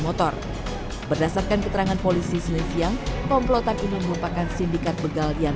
motor berdasarkan keterangan polisi senin siang komplotan ini merupakan sindikat begal yang